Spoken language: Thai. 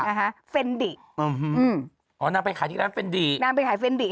นะฮะเฟนดิอืมอ๋อนางไปขายที่ร้านเฟนดินางไปขายเฟรนดิ